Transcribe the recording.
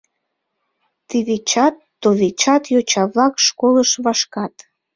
Тывечат тувечат йоча-влак школыш вашкат.